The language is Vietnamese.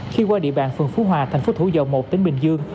khi qua địa bàn phường phú hòa thành phố thủ dầu một tỉnh bình dương